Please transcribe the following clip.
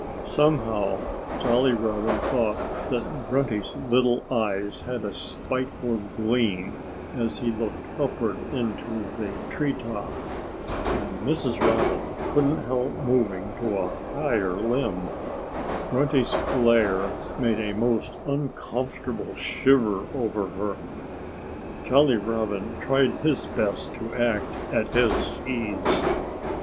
Somehow Jolly Robin thought that Grunty's little eyes had a spiteful gleam as he looked upward into the tree top. And Mrs. Robin couldn't help moving to a higher limb. Grunty's glare sent a most uncomfortable shiver over her. Jolly Robin tried his best to act at his ease.